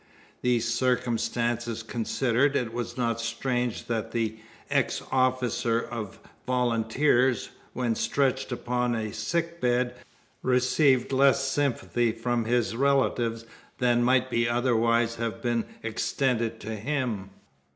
These circumstances considered, it was not strange that the ex officer of volunteers, when stretched upon a sick bed, received less sympathy from his relatives than might otherwise have been extended to him.